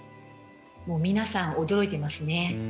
もう皆さん驚いていますね。